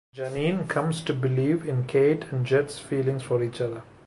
Janine comes to believe in Kate and Jed's feelings for each other.